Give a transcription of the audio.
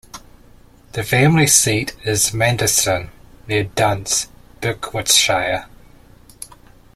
The family seat is Manderston, near Duns, Berwickshire.